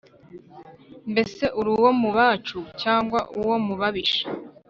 Mbese uri uwo mu bacu cyangwa uwo mu babisha